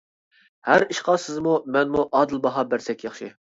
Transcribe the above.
ھەر ئىشقا سىزمۇ، مەنمۇ ئادىل باھا بەرسەك ياخشى.